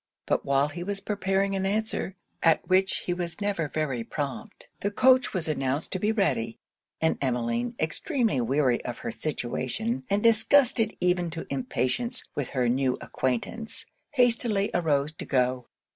But while he was preparing an answer, at which he was never very prompt, the coach was announced to be ready, and Emmeline, extremely weary of her situation, and disgusted even to impatience with her new acquaintance, hastily arose to go.